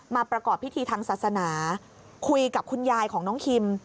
ประกอบพิธีทางศาสนาคุยกับคุณยายของน้องคิม